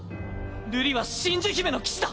瑠璃は真珠姫の騎士だ！